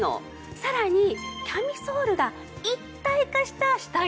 さらにキャミソールが一体化した下着なんですよ。